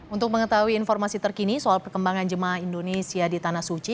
untuk mengetahui informasi terkini soal perkembangan jemaah indonesia di tanah suci